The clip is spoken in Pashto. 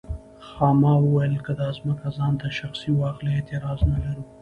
خاما وویل که دا ځمکه ځان ته شخصي واخلي اعتراض نه لرو.